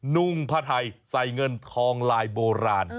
นุ่งผ้าไทยใส่เงินทองลายโบราณ